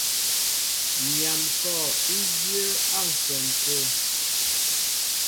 Nyam kɔ̂w í dyə́ə́ á ǹshwɛn tə̂.